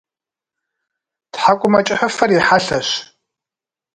Тхьэкӏумэкӏыхьыфэр и хьэлъэщ.